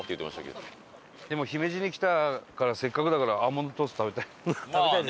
でも姫路に来たからせっかくだからアーモンドトースト食べたい。